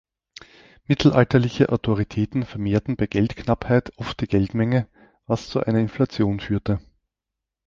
Mittelalterliche Autoritäten vermehrten bei Geldknappheit oft die Geldmenge, was zu einer Inflation führte.